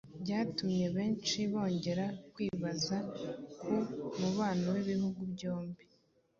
ryatumye benshi bongera kwibaza ku mubano w'ibihugu byombi